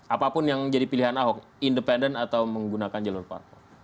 apapun yang jadi pilihan ahok independen atau menggunakan jalur parpol